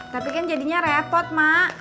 tapi kan jadinya repot mak